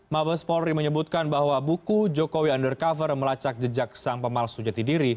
mabes polri menyebutkan bahwa buku jokowi undercover melacak jejak sang pemalsu jati diri